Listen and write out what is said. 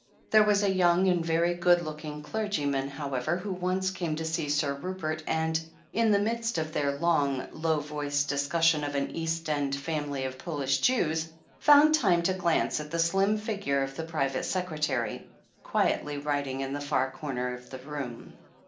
There was a young and very good looking clergy man, however, who once came to see Sir Rupert and, in the midst of their long, low voiced discussion of an East End family of Polish Jews, found time to glance at the slim figure of the private secretary, quietly writ ing in the far comer of the room.